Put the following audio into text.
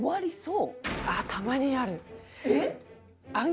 えっ！？